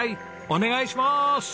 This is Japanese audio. お願いします！